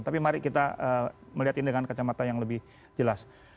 tapi mari kita melihat ini dengan kacamata yang lebih jelas